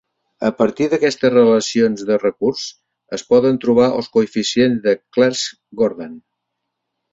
A partir d'aquestes relacions de recurs es poden trobar els coeficients de Clebsch-Gordan.